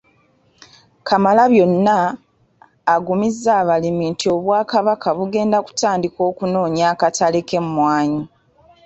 Kamalabyonna agumizza abalimi nti Obwakabaka bugenda kutandika okunoonya akatale ky’emmwanyi.